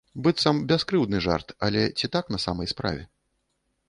Быццам, бяскрыўдны жарт, але ці так на самай справе?